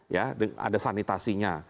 ya ada sanitasinya